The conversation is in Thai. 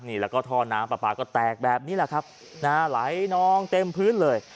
นี่แล้วก็ท่อน้ำปลาปลาก็แตกแบบนี้แหละครับนะฮะไหลนองเต็มพื้นเลย